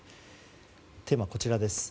テーマはこちらです。